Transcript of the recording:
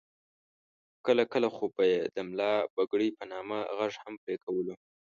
کله کله خو به یې د ملا پګړۍ په نامه غږ هم پرې کولو.